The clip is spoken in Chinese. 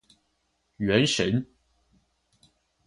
原神